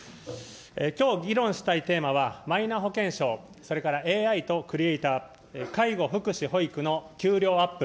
きょう議論したいテーマはマイナ保険証、それからＡＩとクリエイター、介護、福祉、保育の給料アップ。